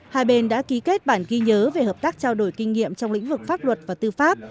hai bên đã ký kết bản ghi nhớ về hợp tác trao đổi kinh nghiệm trong lĩnh vực pháp luật và tư pháp